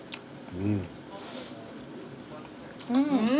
うん！